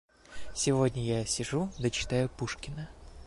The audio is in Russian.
Сегодня я сижу да читаю Пушкина.